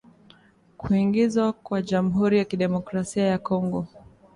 kuingizwa kwa Jamhuri ya Kidemokrasi ya Kongo